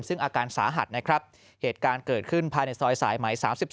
ซึ่งอาการสาหัสนะครับเหตุการณ์เกิดขึ้นภายในซอยสายไหม๓๔